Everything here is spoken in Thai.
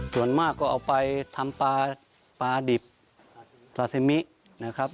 ส่วนมากก็เอาไปทำปลาปลาดิบตาซิมินะครับ